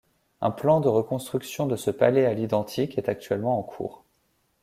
Un plan de reconstruction de ce palais à l'identique est actuellement en cours.